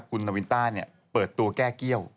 คุณนาวินต้าเปิดตัวแก้เกี้ยว